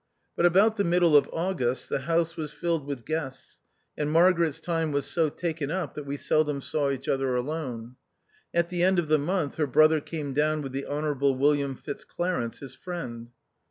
But about the middle of August the house was filled with guests, and Margaret's time was so taken up that we seldom saw each other alone. At the end of the month her brother came down with the Honourable William Fitzclarence, his friend.